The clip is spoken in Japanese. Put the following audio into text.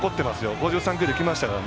５３球できましたから。